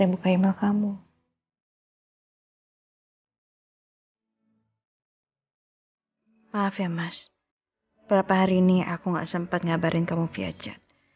beberapa hari ini aku gak sempet ngabarin kamu via chat